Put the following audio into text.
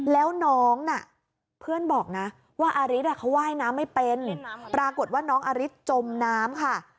แล้วน้องน่ะเพื่อนบอกนะว่าอาริสเขาว่ายน้ำไม่เป็นปรากฏว่าน้องอาริสจมน้ำค่ะ